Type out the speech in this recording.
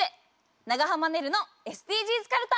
長濱ねるのＳＤＧｓかるた。